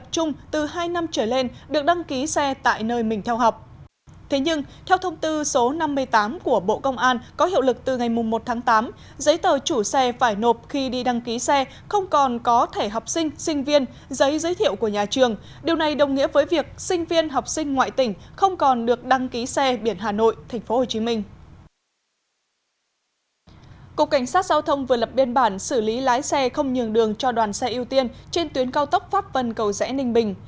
cục cảnh sát giao thông vừa lập biên bản xử lý lái xe không nhường đường cho đoàn xe ưu tiên trên tuyến cao tốc pháp vân cầu rẽ ninh bình